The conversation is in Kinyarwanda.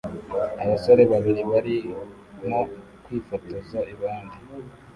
Abasore babiri barimo kwifotoza iruhande